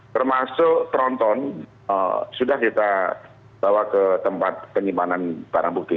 termasuk tronton sudah kita bawa ke tempat penyimpanan barang bukti